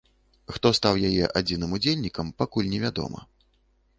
Хто стаў яе адзіным удзельнікам, пакуль не вядома.